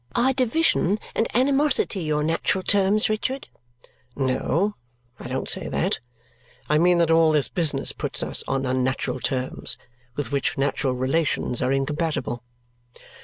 "Are division and animosity your natural terms, Richard?" "No, I don't say that. I mean that all this business puts us on unnatural terms, with which natural relations are incompatible.